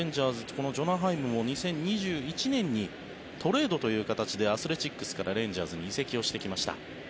このジョナ・ハイムも２０２１年にトレードという形でアスレチックスからレンジャーズに移籍をしてきました。